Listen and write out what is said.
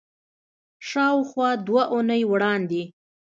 شاوخوا دوه اونۍ وړاندې